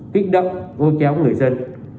kích đậm vô kéo người dân